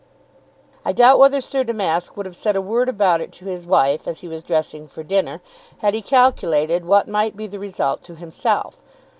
I doubt whether Sir Damask would have said a word about it to his wife as he was dressing for dinner, had he calculated what might be the result to himself.